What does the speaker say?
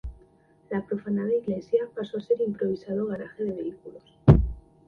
La profanada iglesia pasó a ser improvisado garaje de vehículos.